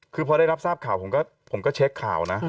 คือพอได้รับทราบข่าวผมก็เช็คข่าวนะ